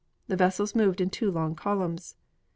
The vessels moved in two long columns.